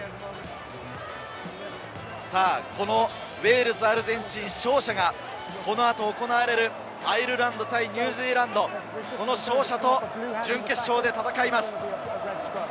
このウェールズ対アルゼンチンの勝者がこの後に行われる、アイルランド対ニュージーランド、その勝者と準決勝で戦います。